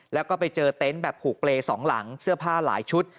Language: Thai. แล้วก็ไปเจอเต็นต์แบบผูกเปรย์สองหลังเสื้อผ้าหลายชุด